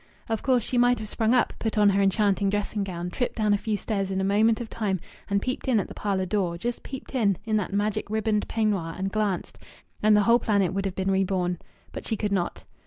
Of course she might have sprung up, put on her enchanting dressing gown, tripped down a few steps in a moment of time, and peeped in at the parlour door just peeped in, in that magic ribboned peignoir, and glanced and the whole planet would have been reborn. But she could not.